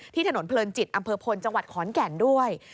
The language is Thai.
ถนนเพลินจิตอำเภอพลจังหวัดขอนแก่นด้วย